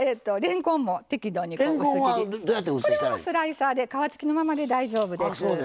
これはもうスライサーで皮付きのままで大丈夫です。